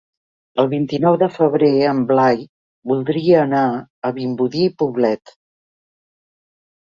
El vint-i-nou de febrer en Blai voldria anar a Vimbodí i Poblet.